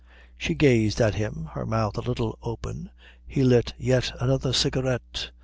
She gazed at him, her mouth a little open. He lit yet another cigarette.